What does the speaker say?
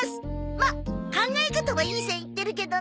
まっ考え方はいい線行ってるけどね。